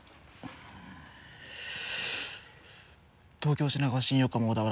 「東京品川新横浜小田原